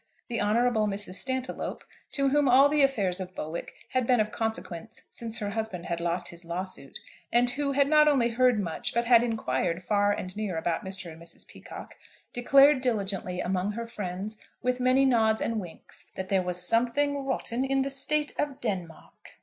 The Honourable Mrs. Stantiloup, to whom all the affairs of Bowick had been of consequence since her husband had lost his lawsuit, and who had not only heard much, but had inquired far and near about Mr. and Mrs. Peacocke, declared diligently among her friends, with many nods and winks, that there was something "rotten in the state of Denmark."